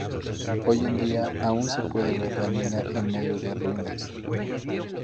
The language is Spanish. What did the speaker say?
Hoy en día aún se puede ver la mina en medio de ruinas.